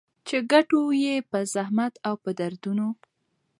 چي ګټو يې په زحمت او په دردونو